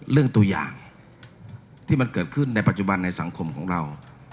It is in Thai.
เรื่องตัวอย่างที่มันเกิดขึ้นในปัจจุบันในสังคมของเรา